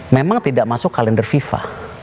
memang tidak masuk kalender fifa